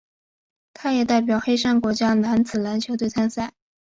他也代表黑山国家男子篮球队参赛。